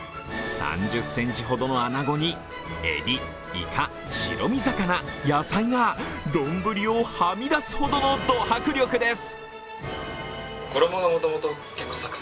３０ｃｍほどのあなごにえび、いか、白身魚、野菜が丼をはみ出すほどのド迫力です。